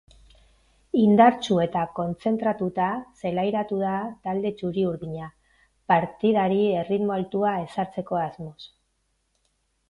Indartsu eta kontzentratuta zelairatu da talde txuri-urdina, partidari erritmo altua ezartzeko asmoz.